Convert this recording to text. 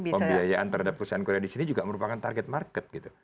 pembiayaan terhadap perusahaan korea di sini juga merupakan target market gitu